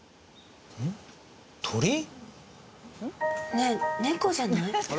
ねえ猫じゃない？